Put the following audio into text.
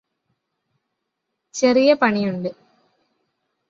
ചെറിയ പണിയുണ്ട്